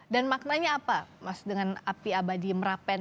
dan maknanya apa mas dengan api abadi merapen